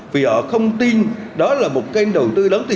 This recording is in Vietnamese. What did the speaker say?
vì họ không tin đó là một kênh đầu tư đáng thiệt